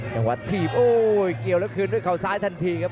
จังหวัดถีบโอ้ยเกี่ยวแล้วคืนด้วยเขาซ้ายทันทีครับ